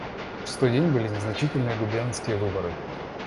На шестой день были назначены губернские выборы.